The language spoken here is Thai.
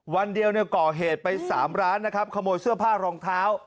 วันเดียวเนี่ยก่อเหตุไป๓ร้านนะครับขโมยเสื้อผ้ารองเท้า